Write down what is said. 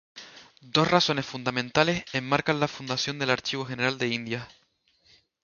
Dos razones fundamentales enmarcan la fundación del Archivo General de Indias.